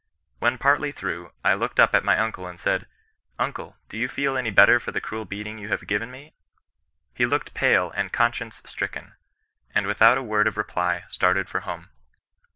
When partly through, I looked up at my uncle and said, —* Uncle, do you feel any better for the cruel beating you have given me V He looked pale and conscience stricken, and without a word of reply started for home.